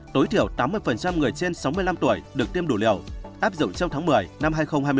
tối thiểu tám mươi người trên sáu mươi năm tuổi được tiêm đủ liều áp dụng trong tháng một mươi năm hai nghìn hai mươi ba